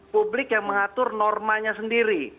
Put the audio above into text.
publik yang mengatur normanya sendiri